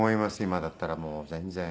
今だったらもう全然。